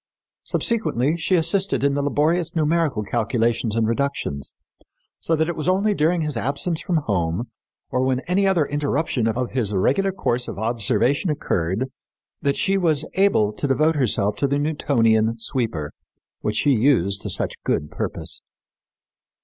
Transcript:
Subsequently she assisted in the laborious numerical calculations and reductions, so that it was only during his absence from home or when any other interruption of his regular course of observation occurred that she was able to devote herself to the Newtonian sweeper, which she used to such good purpose.